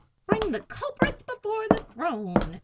"Bring the culprits before the throne!"